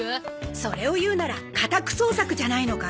それを言うなら家宅捜索じゃないのか？